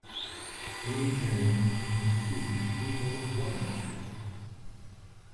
Amy Jennings in the two "Eagle One" movies.